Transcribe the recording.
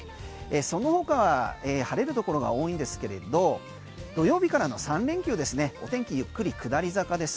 その他は晴れるところが多いんですけれど土曜日からの３連休ですねお天気ゆっくり下り坂です。